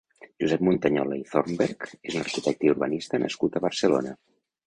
Josep Muntañola i Thornberg és un arquitecte i urbanista nascut a Barcelona.